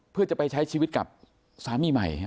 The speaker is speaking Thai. เพื่อจะไปใช้ชีวิตกับสามีใหม่